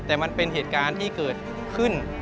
แต่มันเป็นเหตุการณ์ที่เกิดขึ้น